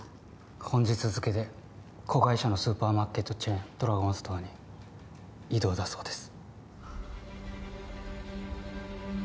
本日付で子会社のスーパーマーケットチェーンドラゴンストアに異動だそうです